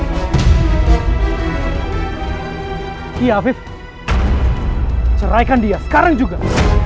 saya kotoran direnorma